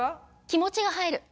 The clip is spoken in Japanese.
気持ちが入る。